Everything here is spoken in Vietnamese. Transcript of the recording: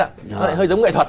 nó lại hơi giống nghệ thuật